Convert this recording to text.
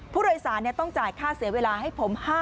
ผู้โรยสารเนี่ยต้องจ่ายค่าเสียเวลาให้ผม